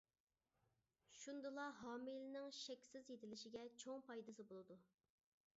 شۇندىلا ھامىلىنىڭ شەكسىز يېتىلىشىگە چوڭ پايدىسى بولىدۇ.